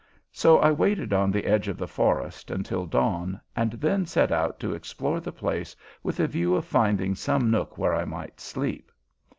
So I waited on the edge of the forest until dawn and then set out to explore the place with a view to finding some nook where I might sleep.